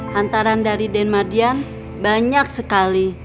hantaran dari den mardian banyak sekali